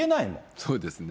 そうですね。